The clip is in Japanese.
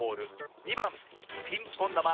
２ばんピンポンだま。